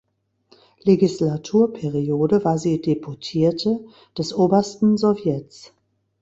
Legislaturperiode war sie Deputierte des Obersten Sowjets.